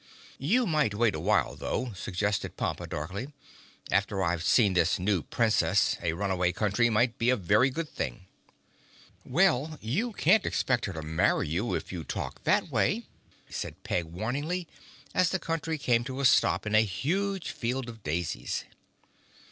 "You might wait a while, though," suggested Pompa darkly. "After I've seen this new Princess a Runaway Country might be a very good thing." "Well, you can't expect her to marry you if you talk that way," said Peg warningly, as the Country came to a stop in a huge field of daisies.